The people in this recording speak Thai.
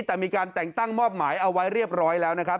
แต่มีการแต่งตั้งมอบหมายเอาไว้เรียบร้อยแล้วนะครับ